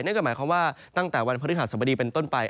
นั่นก็หมายความว่าตั้งแต่วันพฤหัสสมดีเป็นต้นไป